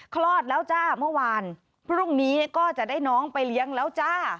คลอดแล้วจ้าเมื่อวานพรุ่งนี้ก็จะได้น้องไปเลี้ยงแล้วจ้า